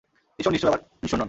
ঈশ্বর নিষ্ঠুর, আবার নিষ্ঠুর নন।